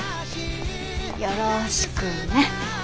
よろしくね。